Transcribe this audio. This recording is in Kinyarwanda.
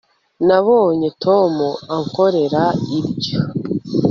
nabonye tom ankorera ibyo